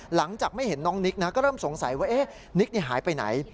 หลังจากไม่เห็นน้องนิกนะก็เริ่มสงสัยว่านิกหายไปไหน